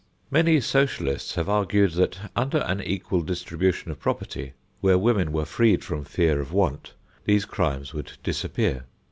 Many socialists have argued that under an equal distribution of property, where women were freed from fear of want, these crimes would disappear.